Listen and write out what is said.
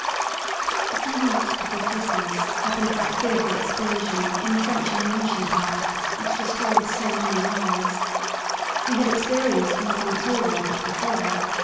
A few weeks before Christmas, happened that fearful explosion, in the French ammunition park, which destroyed so many lives. We had experienced nothing at all like it before.